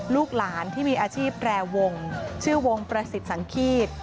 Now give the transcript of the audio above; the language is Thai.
ลูกหลานที่มีอาชีพแตรวงชื่อวงประสิทธิ์สังฆีต